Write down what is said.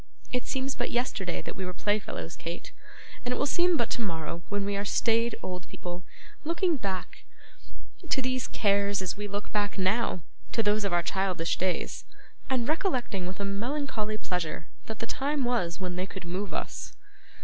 It seems but yesterday that we were playfellows, Kate, and it will seem but tomorrow when we are staid old people, looking back to these cares as we look back, now, to those of our childish days: and recollecting with a melancholy pleasure that the time was, when they could move us.